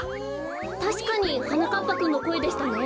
たしかにはなかっぱくんのこえでしたね。